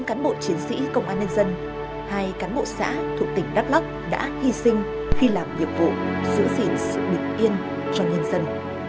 bốn cán bộ chiến sĩ công an nhân dân hai cán bộ xã thuộc tỉnh đắk lắk đã hy sinh khi làm nhiệm vụ giữ gìn sự bình yên cho nhân dân